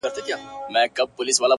چي هغه ستا سيورى له مځكي ورك سو-